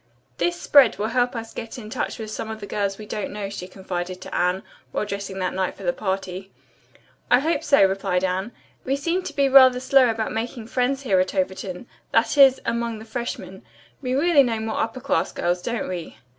"This spread will help us to get in touch with some of the girls we don't know," she confided to Anne while dressing that night for the party. "I hope so," replied Anne. "We seem to be rather slow about making friends here at Overton; that is, among the freshmen. We really know more upper class girls, don't we?"